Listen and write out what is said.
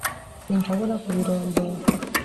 sinshobora kubirondora